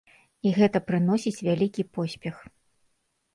І гэта прыносіць вялікі поспех.